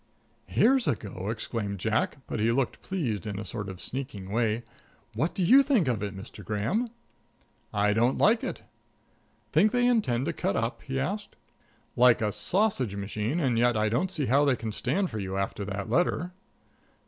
'" "Here's a go," exclaimed Jack, but he looked pleased in a sort of sneaking way. "What do you think of it, Mr. Graham?" "I don't like it." "Think they intend to cut up?" he asked. "Like a sausage machine; and yet I don't see how they can stand for you after that letter."